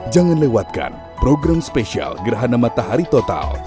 jangan lewatkan program spesial gerhana matahari total